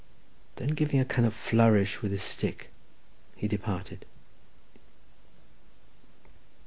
Then giving a kind of flourish with his stick, he departed.